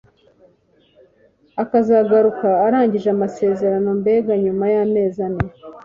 akazagaruka arangije amasezerano mbega nyuma y’amezi ane